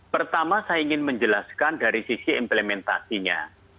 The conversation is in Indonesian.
pertama saya ingin menjelaskan dari sisi implementasinya